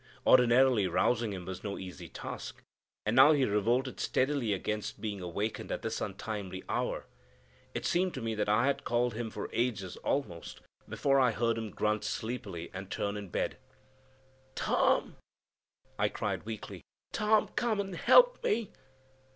Ordinarily, rousing him was no easy task, and now he revolted steadily against being awakened at this untimely hour. It seemed to me that I had called him for ages almost, before I heard him grunt sleepily and turn in bed. "Tom," I cried weakly, "Tom, come and help me!"